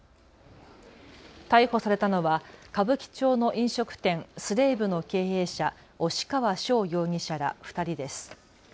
逮捕されたのは歌舞伎町の飲食店、Ｓｌａｖｅの経営者、押川翔容疑者ら２人です。